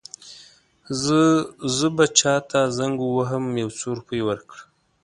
زه به چاته زنګ ووهم یو څو روپۍ ورکړه.